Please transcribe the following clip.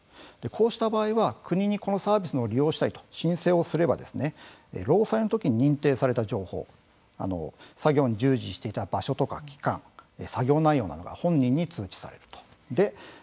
こうした場合は、国にこのサービスの利用をしたいと申請をすれば労災のときに認定された情報作業に従事していた場所とか期間作業内容などが本人に通知されると。